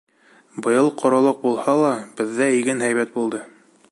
Быйыл ҡоролоҡ булһа ла, беҙҙә иген һәйбәт булды.